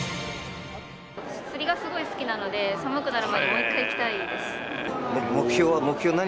私、釣りがすごい好きなので寒くなる前にもう１回行きたいです。